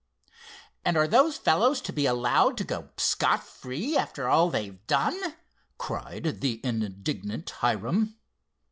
"And are those fellows to be allowed to go scot free after all they've done!" cried the indignant Hiram.